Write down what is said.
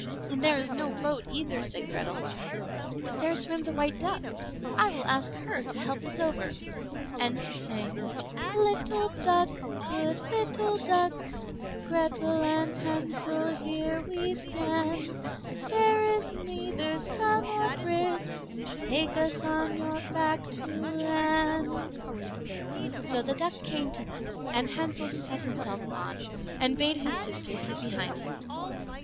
"And there is no boat either," said Grethel; "but there swims a white duck, I will ask her to help us over;" and she sang, "Little duck, good little duck, Grethel and Hansel, here we stand, There is neither stile nor bridge, Take us on your back to land." So the duck came to them, and Hansel sat himself on, and bade his sister sit behind him.